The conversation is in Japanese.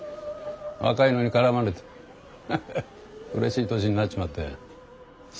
若いのに絡まれてハハッうれしい年になっちまったよ。